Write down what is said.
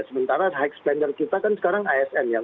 sementara high expander kita kan sekarang asn